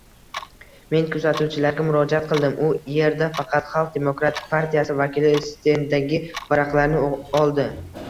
Men kuzatuvchilarga murojaat qildim, u erda faqat Xalq demokratik partiyasi vakili stenddagi varaqalarni oldi